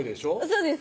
そうです